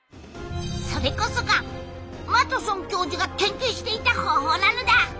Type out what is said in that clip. それこそがマトソン教授が研究していた方法なのだ！